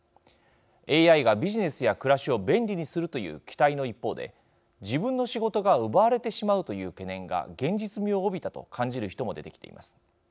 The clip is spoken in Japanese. ＡＩがビジネスや暮らしを便利にするという期待の一方で自分の仕事が奪われてしまうという懸念が現実味を帯びたと感じる人も出てきています。